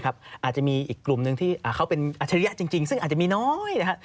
อาจจะมีอีกกลุ่มหนึ่งที่เขาเป็นอัจฉริยะจริงซึ่งอาจจะมีน้อยนะครับ